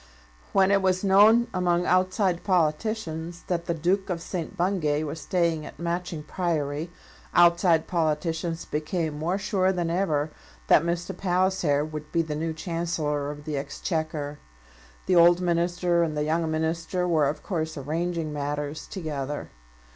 When it was known among outside politicians that the Duke of St. Bungay was staying at Matching Priory, outside politicians became more sure than ever that Mr. Palliser would be the new Chancellor of the Exchequer. The old minister and the young minister were of course arranging matters together.